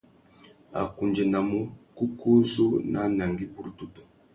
A kundzénamú : kúkú u zú nà anangüî burútutu.